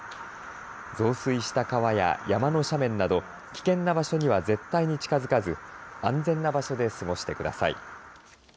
増水した川や山の斜面など危険な場所には絶対に近づかず安全な場所で過ごしてください。